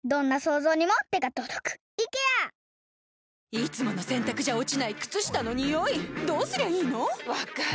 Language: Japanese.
いつもの洗たくじゃ落ちない靴下のニオイどうすりゃいいの⁉分かる。